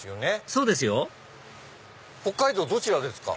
そうですよ北海道どちらですか？